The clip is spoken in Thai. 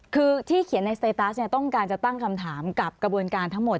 คือที่เขียนในสเตตัสเนี่ยต้องการจะตั้งคำถามกับกระบวนการทั้งหมด